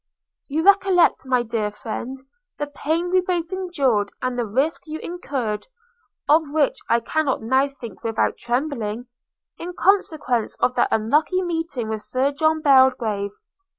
'You recollect, my dear friend, the pain we both endured, and the risk you incurred (of which I cannot now think without trembling), in consequence of that unlucky meeting with Sir John Belgrave.